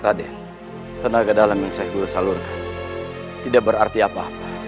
raden tenaga dalam yang syekh guru salurkan tidak berarti apa apa